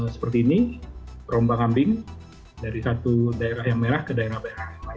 seperti ini rombak kambing dari satu daerah yang merah ke daerah daerah lain